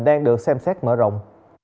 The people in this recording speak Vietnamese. đang được xem xét mở rộng